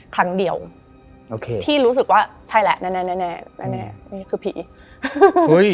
ครั้งเดียวที่รู้สึกว่าใช่แหละแน่นี่คือผี